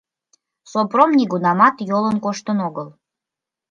Сопром нигунамат йолын коштын огыл.